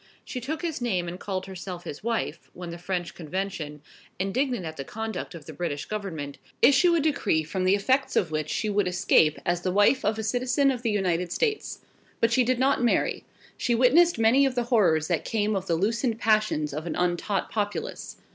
She took his name and called herself his wife, when the French Convention, indignant at the conduct of the British Government, issued a decree from the effects of which she would escape as the wife of a citizen of the United States. But she did not marry. She witnessed many of the horrors that came of the loosened passions of an untaught populace.